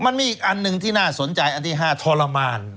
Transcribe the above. มันมีอีกอันหนึ่งที่น่าสนใจอันที่๕ทรมาน